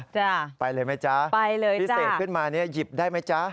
จ้ะไปเลยไหมจ๊ะพิเศษขึ้นมานี่หยิบได้ไหมจ๊ะไปเลยจ๊ะ